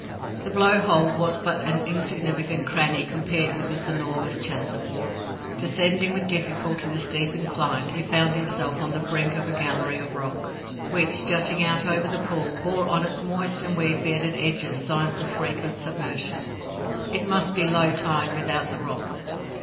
The Blow hole was but an insignificant cranny compared with this enormous chasm. Descending with difficulty the steep incline, he found himself on the brink of a gallery of rock, which, jutting out over the pool, bore on its moist and weed bearded edges signs of frequent submersion. It must be low tide without the rock.